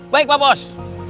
baik pak bos